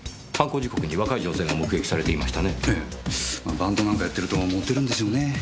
バンドなんかやってるとモテるんですよね。